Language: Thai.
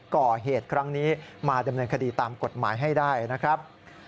ก่อเหตุครั้งนี้มาดำเนินคดีตามกฎหมายให้ได้นะครับ